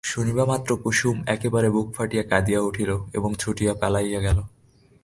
শুনিবামাত্র কুসুম একেবারে বুক ফাটিয়া কাঁদিয়া উঠিল এবং ছুটিয়া পালাইয়া গেল।